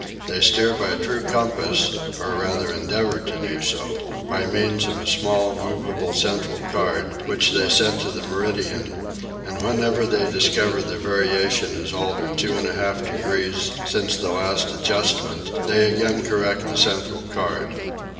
They steer by true compass, or rather endeavour so to do, by means of a small movable central card, which they set to the meridian: and whenever they discover the variation has altered 2 1/2 degrees since the last adjustment they again correct the central card.